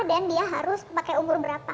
dan dia harus pakai umur berapa